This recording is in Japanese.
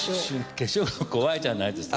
化粧怖いじゃないですか。